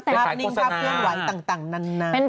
แต่ตั๋มนิ่งภาพเคลื่อนไหวต่างนานนาน